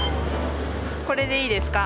これでいいですか？